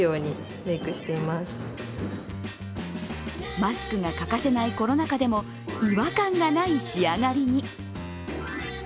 マスクが欠かせないコロナ禍でも違和感がない仕上がりに。